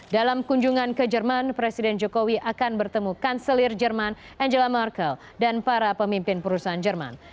dalam kunjungan ke jerman presiden jokowi akan bertemu kanselir jerman angela markle dan para pemimpin perusahaan jerman